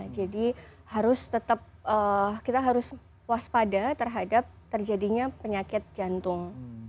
jadi kita harus waspada terhadap terjadinya penyakit jantung